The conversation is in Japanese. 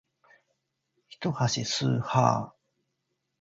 一足す一は一ー